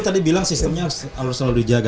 tadi bilang sistemnya harus selalu dijaga